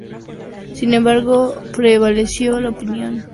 Sin embargo, prevaleció la opinión de Peres hasta hoy.